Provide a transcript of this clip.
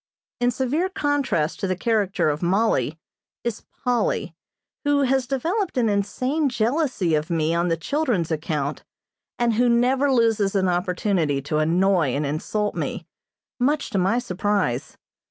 In severe contrast to the character of Mollie is Polly, who has developed an insane jealousy of me on the children's account, and who never loses an opportunity to annoy and insult me, much to my surprise.